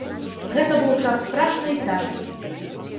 Гэта быў час страшны і цяжкі.